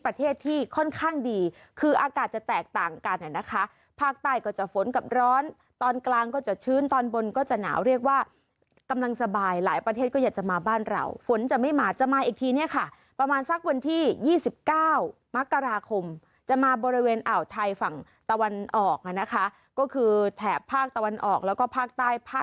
ประเทศที่ค่อนข้างดีคืออากาศจะแตกต่างกันนะคะภาคใต้ก็จะฝนกับร้อนตอนกลางก็จะชื้นตอนบนก็จะหนาวเรียกว่ากำลังสบายหลายประเทศก็อยากจะมาบ้านเราฝนจะไม่มาจะมาอีกทีเนี่ยค่ะประมาณสักวันที่๒๙มกราคมจะมาบริเวณอ่าวไทยฝั่งตะวันออกนะคะก็คือแถบภาคตะวันออกแล้วก็ภาคใต้ภาค